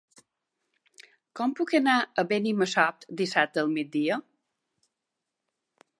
Com puc anar a Benimassot dissabte al migdia?